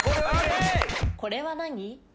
これは何？